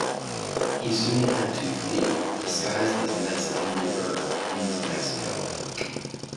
He soon had to flee, disguised as a Mexican laborer, into Mexico.